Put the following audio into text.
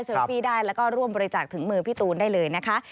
ฟี่ได้แล้วก็ร่วมบริจาคถึงมือพี่ตูนได้เลยนะคะ